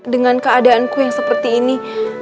dengan keadaanku yang seperti ini